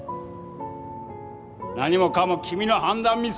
何もかも君の判断ミス！